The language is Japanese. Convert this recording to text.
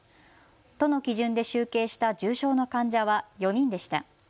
都の基準で集計した重症の患者は４人でした。